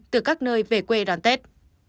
từ các nơi về quê đón tết